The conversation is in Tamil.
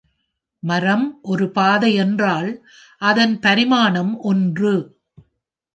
மரம் ஒரு பாதை என்றால், அதன் பரிமாணம் ஒன்று.